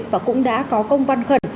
và cũng đã có công văn khẩn